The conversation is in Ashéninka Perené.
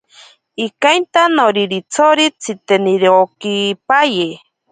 Ikainta noriritsori tsitenirokipaye.